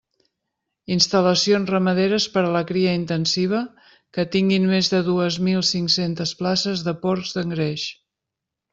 Instal·lacions ramaderes per a la cria intensiva que tinguin més de dues mil cinc-centes places de porcs d'engreix.